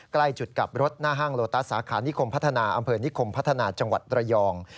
ใกล้จุดกลับรถหน้าห้างโลตัสสาขานิคมพัฒนาอำเภอนิคมพัฒนาจังหวัดระยอง